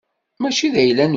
Mačči d ayla-nwen.